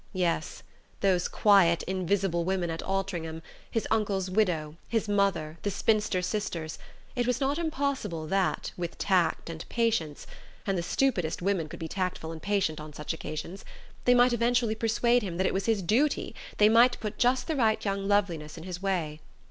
Yes, those quiet invisible women at Altringham his uncle's widow, his mother, the spinster sisters it was not impossible that, with tact and patience and the stupidest women could be tactful and patient on such occasions they might eventually persuade him that it was his duty, they might put just the right young loveliness in his way....